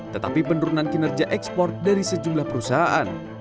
tetapi penurunan kinerja ekspor dari sejumlah perusahaan